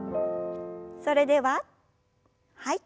それでははい。